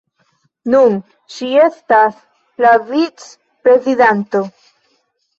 Nun ŝi estas la vic-prezidanto.